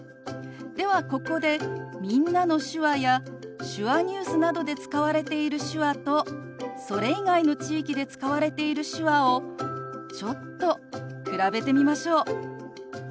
ではここで「みんなの手話」や「手話ニュース」などで使われている手話とそれ以外の地域で使われている手話をちょっと比べてみましょう。